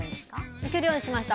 抜けるようになりました。